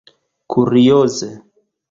kurioze